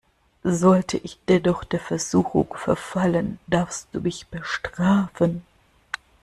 Sollte ich dennoch der Versuchung verfallen, darfst du mich bestrafen.